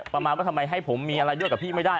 ทำไมให้ผมมีอะไรด้วยกับพี่ไม่ได้